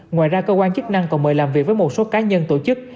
ngoài ra cơ quan chức năng còn mời làm việc với một số cá nhân tổ chức